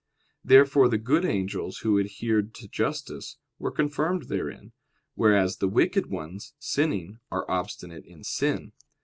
Therefore the good angels who adhered to justice, were confirmed therein; whereas the wicked ones, sinning, are obstinate in sin.